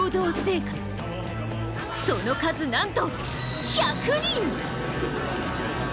その数なんと１００人！